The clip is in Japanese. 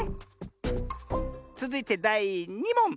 つづいてだい２もん！